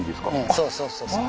そうそうそうそう